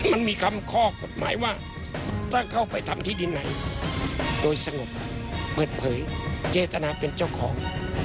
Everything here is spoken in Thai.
มันมีคำข้อกฎหมายว่าถ้าเข้าไปทำที่ดินไหนโดยสงบเปิดเผยเจตนาเป็นเจ้าของ